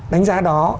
đánh giá đó